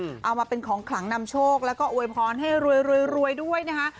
เอามาเป็นของขลังนำโชคแล้วก็อวยพรให้รวยรวยด้วยนะคะ